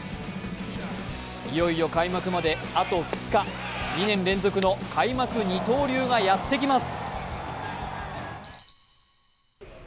いよいよ開幕まであと２日、２年連続の開幕二刀流がやってきます。